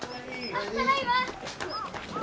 あっただいま。